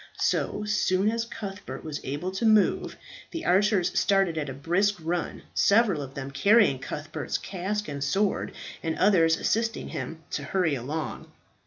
So soon as Cuthbert was able to move, the archers started at a brisk run, several of them carrying Cuthbert's casque and sword, and others assisting him to hurry along.